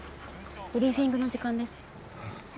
ブリーフィングの時間です。